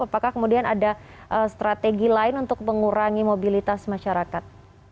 apakah kemudian ada strategi lain untuk mengurangi mobilitas masyarakat